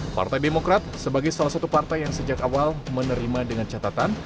partai demokrat sebagai salah satu partai yang sejak awal menerima dengan catatan